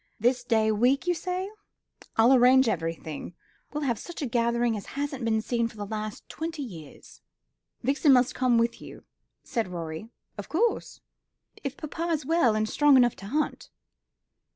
This day week you say. I'll arrange everything. We'll have such a gathering as hasn't been seen for the last twenty years." "Vixen must come with you," said Rorie. "Of course." "If papa is well and strong enough to hunt."